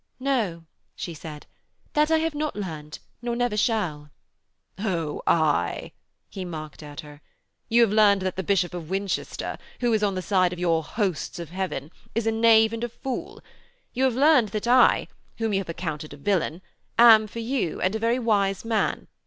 'No,' she said, 'that I have not learned, nor never shall.' 'Oh, aye,' he mocked at her. 'You have learned that the Bishop of Winchester, who is on the side of your hosts of heaven, is a knave and a fool. You have learned that I, whom you have accounted a villain, am for you, and a very wise man.